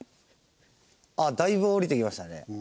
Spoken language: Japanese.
あっだいぶ下りてきましたね。